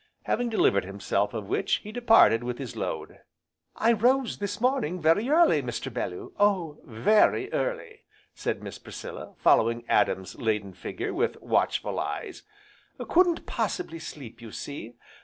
Having delivered himself of which, he departed with his load. "I rose this morning very early, Mr. Bellew, Oh! very early!" said Miss Priscilla, following Adam's laden figure with watchful eyes, "couldn't possibly sleep, you see.